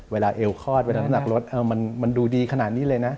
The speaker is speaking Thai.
เวลาเอลคอดเวลาหนักรสมันดูดีขนาดนี้เลยนะ